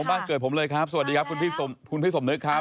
บ้านเกิดผมเลยครับสวัสดีครับคุณพี่สมนึกครับ